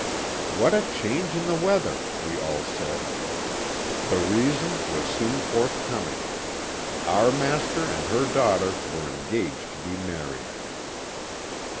'What a change in the weather!' we all said. The reason was soon forthcoming. Our master and her daughter were engaged to be married.